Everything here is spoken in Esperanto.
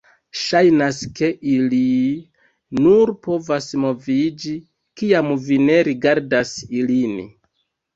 Ŝajnas ke ili... nur povas moviĝi, kiam vi ne rigardas ilin.